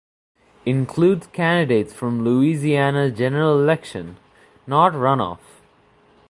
Includes candidates from Louisiana's General Election, not run-off.